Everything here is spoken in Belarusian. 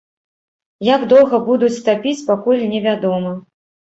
Як доўга будуць тапіць, пакуль не вядома.